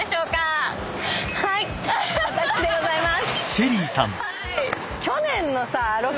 私でございます。